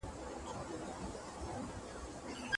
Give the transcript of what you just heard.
عفو کول تر ټولو غوره او نېک عمل دی.